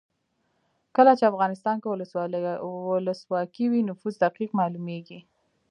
کله چې افغانستان کې ولسواکي وي نفوس دقیق مالومیږي.